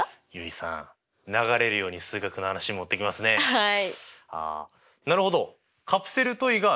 はい。